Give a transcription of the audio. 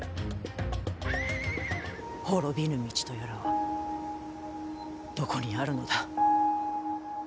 滅びぬ道とやらはどこにあるのだ。